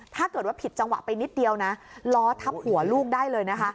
ถ้าเกิดว่าผิดจังหวะไปนิดเดียวนะล้อทับหัวลูกได้เลยนะคะ